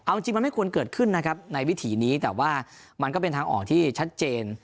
เอาจริงมันไม่ควรเกิดขึ้นนะครับในวิถีนี้แต่ว่ามันก็เป็นทางออกที่ชัดเจน